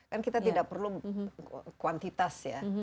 kan kita tidak perlu kuantitas ya